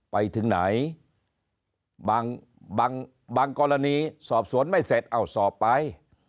ไปถึงไหนบางกรณีสอบสวนไม่เสร็จเอาสอบไป